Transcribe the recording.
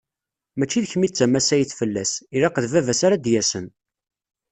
Mačči d kemm i d tamassayt fell-as, ilaq d baba-s ara d-yasen.